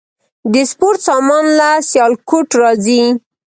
د سپورت سامان له سیالکوټ راځي؟